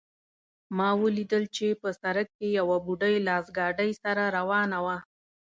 ما ولیدل چې په سړک کې یوه بوډۍ لاس ګاډۍ سره روانه وه